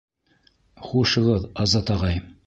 Хушығыҙ, Азат ағай.